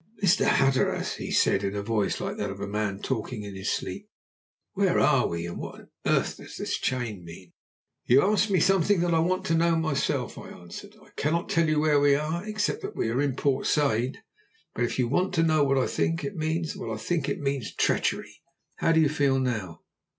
"Mr. Hatteras," he said, in a voice like that of a man talking in his sleep, "where are we and what on earth does this chain mean?" "You ask me something that I want to know myself," I answered. "I cannot tell you where we are, except that we are in Port Said. But if you want to know what I think it means, well, I think it means treachery. How do you feel now?"